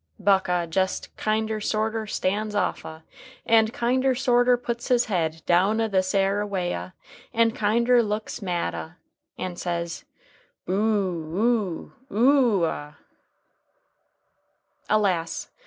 Buck ah jest kinder sorter stands off ah, and kinder sorter puts his head down ah this 'ere way ah, and kinder looks mad ah, and says, Boo oo OO OO ah!" Alas!